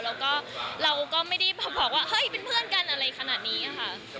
แล้วก็เราก็ไม่ได้บอกว่าเฮ้ยเป็นเพื่อนกันอะไรขนาดนี้ค่ะ